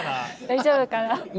大丈夫かな？